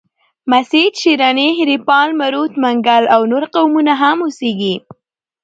مسید، شیراني، هیریپال، مروت، منگل او نور قومونه هم اوسیږي.